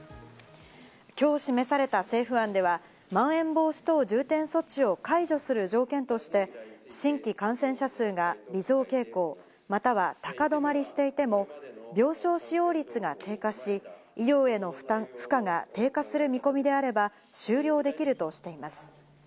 今日示された政府案ではまん延防止等重点措置を解除する条件として新規感染者数が微増傾向または高止まりしていても病床使用率が低下し、医療への負荷が低下する見込みであれば終了できるとしています。